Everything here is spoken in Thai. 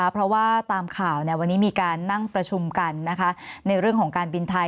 เพราะว่าตามข่าววันนี้มีการนั่งประชุมกันในเรื่องของการบินไทย